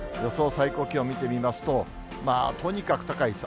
最高気温見てみますと、とにかく高いです。